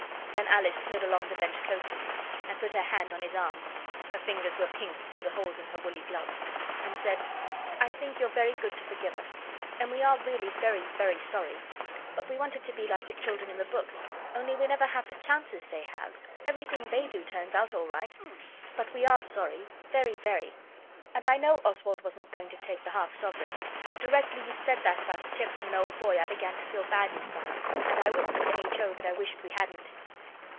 Then Alice slid along the bench close to him, and put her hand on his arm: her fingers were pink through the holes in her woolly gloves, and said, 'I think you're very good to forgive us, and we are really very, very sorry. But we wanted to be like the children in the books only we never have the chances they have. Everything they do turns out all right. But we are sorry, very, very. And I know Oswald wasn't going to take the half sovereign. Directly you said that about a tip from an old boy I began to feel bad inside, and I whispered to H. O. that I wished we hadn't.